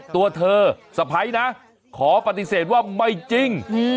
ตัวเธอสะพ้ายนะขอปฏิเสธว่าไม่จริง